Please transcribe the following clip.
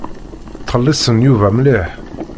Ttxelliṣen Yuba mliḥ.